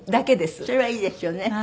それはいいですよね。